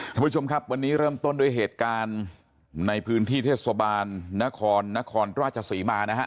ท่านผู้ชมครับวันนี้เริ่มต้นด้วยเหตุการณ์ในพื้นที่เทศบาลนครนครราชศรีมานะฮะ